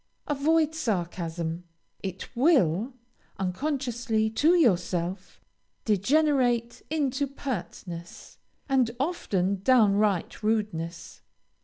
Avoid sarcasm; it will, unconsciously to yourself, degenerate into pertness, and often downright rudeness.